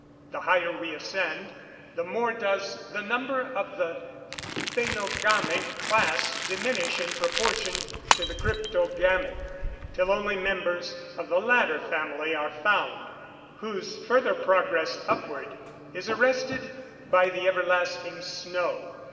The higher we ascend, the more does the number of the phænogamic class diminish in proportion to the cryptogamic, till only members of the latter family are found, whose further progress upward is arrested by the everlasting snow.